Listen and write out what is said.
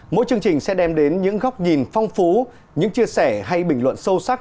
mỗi chương trình sẽ đem đến những góc nhìn phong phú những chia sẻ hay bình luận sâu sắc